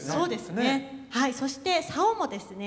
そして棹もですね